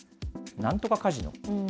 なんとかカジノ。